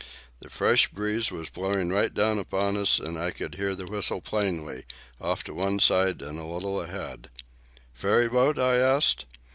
The fresh breeze was blowing right down upon us, and I could hear the whistle plainly, off to one side and a little ahead. "Ferry boat?" I asked.